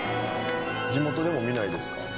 地元でも見ないですか？